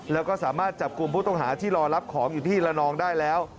แล้วก็สามารถจับกลุ่มผู้ต้องหาที่รอรับของอยู่ที่ละนองได้แล้ว